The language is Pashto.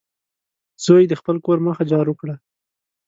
زوی د خپل کور مخه جارو کړه.